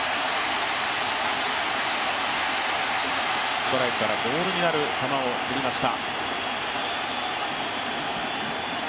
ストライクからボールになる球に変わりました。